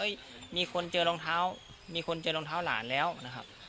มีคนเจอรองเท้ามีคนเจอรองเท้าหลานแล้วนะครับ